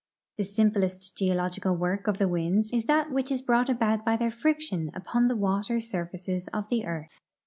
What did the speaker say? The simplest geological Avork of the Avinds is that Avhich is brought about by their friction upon the AA^ater surfaces of the earth.